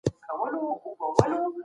پناه غوښتل د هر انسان بشري حق دی.